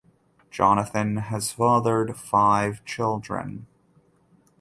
Jonathan has fathered five children.